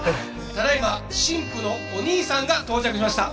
「ただいま新婦のお兄さんが到着しました」